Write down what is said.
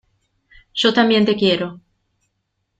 Yo también te quiero.